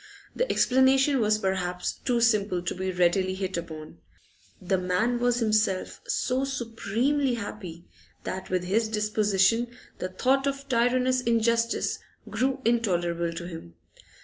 The explanation was perhaps too simple to be readily hit upon; the man was himself so supremely happy that with his disposition the thought of tyrannous injustice grew intolerable to him.